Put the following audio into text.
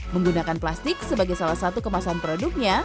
menggunakan plastik sebagai salah satu kemasan produknya